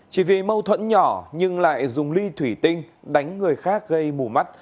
chỉ vì mâu thuẫn nhỏ nhưng lại dùng ly thủy tinh đánh người khác gây mù mắt